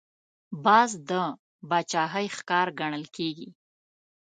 باز د باچاهۍ ښکار ګڼل کېږي